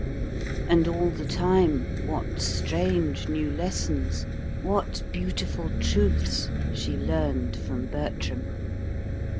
And all the time, what strange new lessons, what beautiful truths, she learned from Bertram!